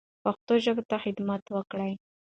پښتو ژبې ته خدمت وکړو.